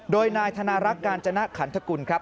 โดยนายธนรักจนะขนทะกุลครับ